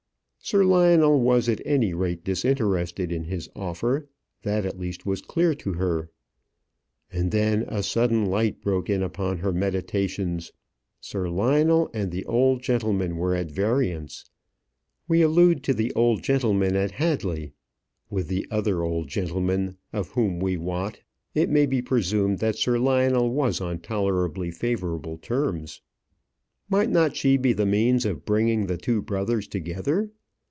Sir Lionel was at any rate disinterested in his offer; that at least was clear to her. And then a sudden light broke in upon her meditations. Sir Lionel and the old gentleman were at variance. We allude to the old gentleman at Hadley: with the other old gentleman, of whom we wot, it may be presumed that Sir Lionel was on tolerably favourable terms. Might not she be the means of bringing the two brothers together?